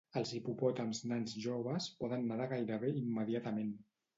Els hipopòtams nans joves poden nedar gairebé immediatament.